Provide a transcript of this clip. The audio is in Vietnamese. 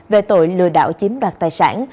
về tội lừa đảo chiếm đoạt tài sản